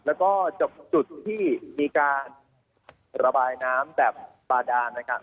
แล้วก็จบจุดที่มีการระบายน้ำแบบบาดานนะครับ